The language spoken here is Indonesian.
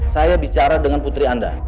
saya bicara dengan putri anda